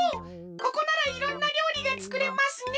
ここならいろんなりょうりがつくれますね。